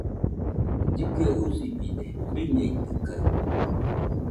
Llɨkɨe usibide, rɨñeitɨkaɨ